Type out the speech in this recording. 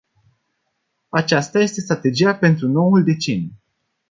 Aceasta este strategia pentru noul deceniu.